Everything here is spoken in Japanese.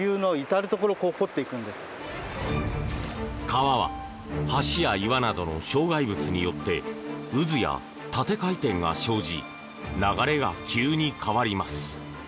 川は、橋や岩などの障害物によって渦や縦回転が生じ流れが急に変わります。